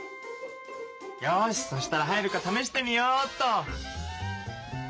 よしそしたら入るかためしてみようっと。